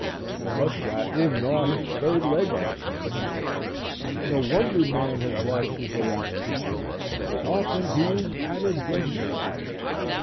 The muskrat will gnaw his third leg off to be free. No wonder man has lost his elasticity. How often he is at a dead set!